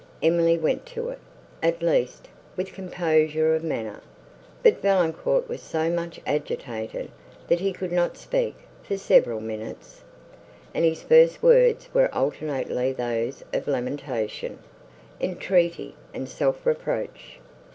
Emily went to it, at least, with composure of manner, but Valancourt was so much agitated, that he could not speak, for several minutes, and his first words were alternately those of lamentation, entreaty, and self reproach.